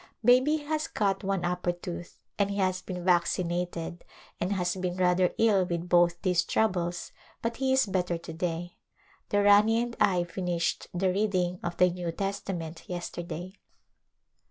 Baby has cut one upper tooth and he has been vacci nated and has been rather ill with both these troubles but he is better to day. The Rani and I finished the reading of the New Testament yesterday.